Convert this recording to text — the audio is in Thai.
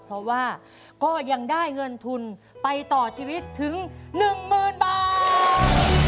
เพราะว่าก็ยังได้เงินทุนไปต่อชีวิตถึง๑๐๐๐บาท